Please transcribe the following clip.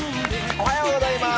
おはようございます。